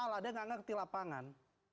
salah dia tidak mengerti lapangan